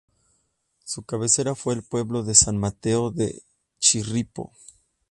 Su cabecera fue el pueblo de San Mateo de Chirripó.